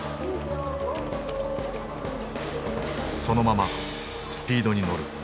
そのままスピードに乗る。